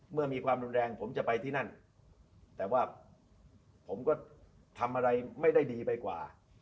มีความรุนแรงผมจะไปที่นั่นแต่ว่าผมก็ทำอะไรไม่ได้ดีไปกว่า